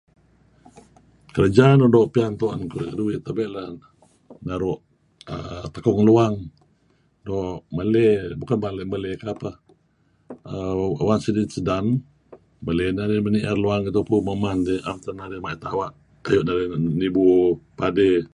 Kereja nuk doo' pian tu'en keduih tebey' lah naru'err... takung luang. Doo' meley, bukan mala narih mala meley kapeh, Once it is done meley narih mey ni'er luang iih tupu. Meman dih. 'Em teh narih ma'it awa' kayu' narih nibu padey.